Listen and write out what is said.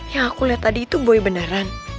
yang aku liat tadi itu boy beneran